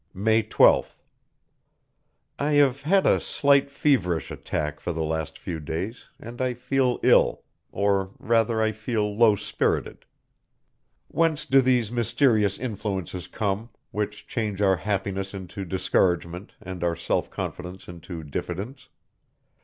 May 12th. I have had a slight feverish attack for the last few days, and I feel ill, or rather I feel low spirited. Whence do these mysterious influences come, which change our happiness into discouragement, and our self confidence into diffidence?